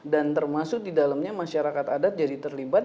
dan termasuk di dalamnya masyarakat adat jadi terlibat